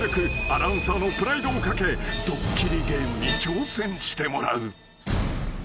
アナウンサーのプライドを懸けドッキリゲームに挑戦してもらう］